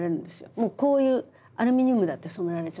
もうこういうアルミニウムだって染められちゃうんですよ。